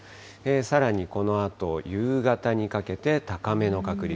さらにこのあと、夕方にかけて高めの確率。